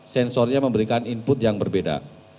sensornya memberikan input yang berbeda